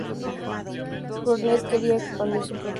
Burnett quería expandir su propio rancho.